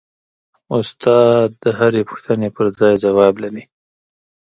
استاد د هرې پوښتنې پرځای ځواب لري.